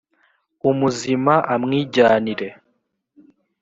umuzima amwijyanire